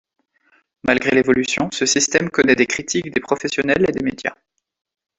Malgré l’évolution, ce système connait des critiques des professionnels et des médias.